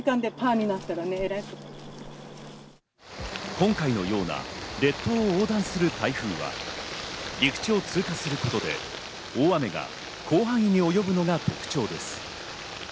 今回のような列島を横断する台風は、陸地を通過することで、大雨が広範囲に及ぶのが特徴です。